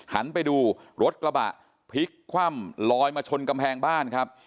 หันไปดูรถกระบะพลิกคว่ำลอยมาชนกำแพงบ้านครับ